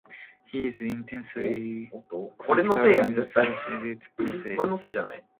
He is intensely critical in the self-editing process.